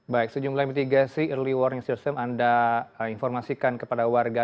baik sejumlah mitigasi early warning system anda informasikan kepada warga